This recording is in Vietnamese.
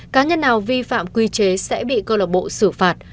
các nhân nào vi phạm quy chế sẽ bị cơ lộc bộ xử phạt